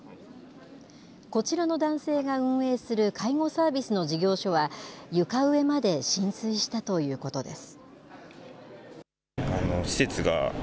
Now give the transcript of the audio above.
こちらの男性が運営する介護サービスの事業所は、床上まで浸水したということです。